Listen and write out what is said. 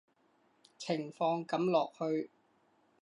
情況噉落去